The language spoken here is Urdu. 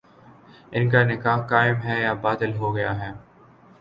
ان کا نکاح قائم ہے یا باطل ہو گیا ہے